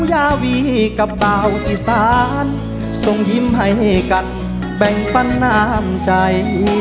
ยาวีกับเบาอีสานส่งยิ้มให้กันแบ่งปันน้ำใจ